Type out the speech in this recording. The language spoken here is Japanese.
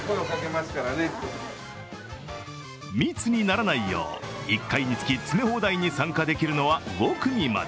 密にならないよう１回につき詰め放題に参加できるのは５組まで。